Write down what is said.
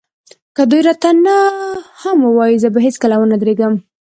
که دوی راته نه هم ووايي زه به هېڅکله ونه درېږم.